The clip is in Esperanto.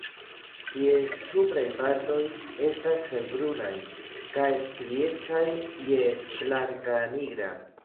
Ties supraj partoj estas helbrunaj kaj striecaj je blankanigra.